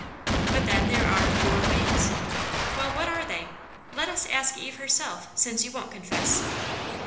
But then there are " your ways 1" Well, what are they ? Let us ask Eve herself, since you won't confess.